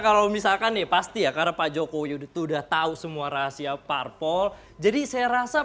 kalau misalkan nih pasti ya karena pak jokowi udah tahu semua rahasia parpol jadi saya rasa